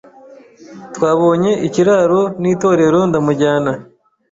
twabonye ikiraro nitorero ndamujyana